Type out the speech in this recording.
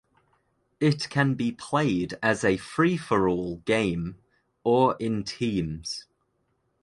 It can be played as a free-for-all game or in teams.